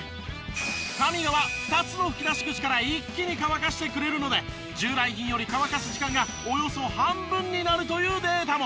ＫＡＭＩＧＡは２つの吹き出し口から一気に乾かしてくれるので従来品より乾かす時間がおよそ半分になるというデータも。